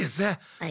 はい。